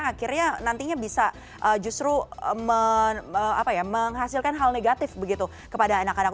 akhirnya nantinya bisa justru menghasilkan hal negatif begitu kepada anak anak